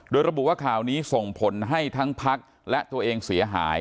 โดยระบุว่าข่าวนี้ส่งผลให้ทั้งพักและตัวเองเสียหาย